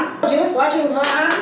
hỗ trợ quá trình phá án